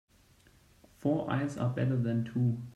Four eyes are better than two.